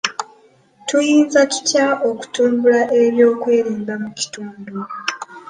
Tuyinza tutya okutumbula eby'okwerinda mu kitundu.